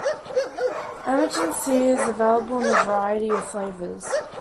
Emergen-C is available in a variety of flavors.